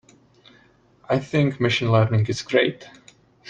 I think Machine Learning is great.